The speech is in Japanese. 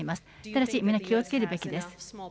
ただし、皆、気をつけるべきです。